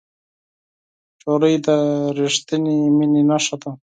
نجلۍ د رښتینې مینې نښه ده.